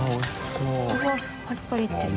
うわっパリパリいってる。